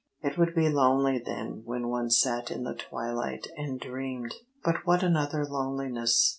It would be lonely then when one sat in the twilight and dreamed but what another loneliness!